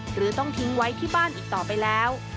หรือต้องทิ้งไว้ที่บ้านอีกต่อไปแล้ว